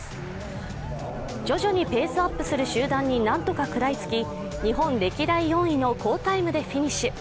徐々にペースアップする集団に何とか食らいつき、日本歴代４位の好タイムでフィニッシュ。